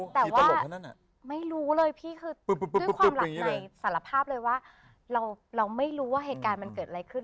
แต่ว่าไม่รู้เลยพี่คือด้วยความหลับในสารภาพเลยว่าเราไม่รู้ว่าเหตุการณ์มันเกิดอะไรขึ้น